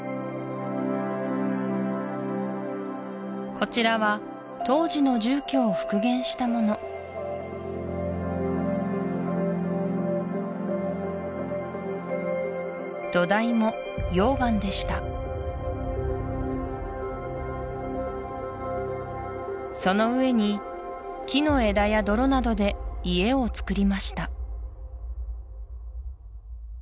こちらは当時の住居を復元したもの土台も溶岩でしたその上に木の枝や泥などで家をつくりました